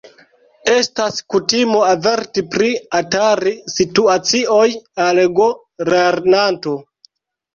Estas kutimo averti pri atari-situacioj al go-lernanto.